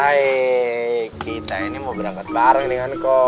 ae kita ini mau berangkat bareng dengan kol